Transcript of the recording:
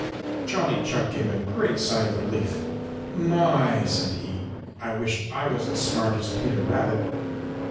Johnny Chuck gave a great sigh of relief. "My," said he, "I wish I was as smart as Peter Rabbit!"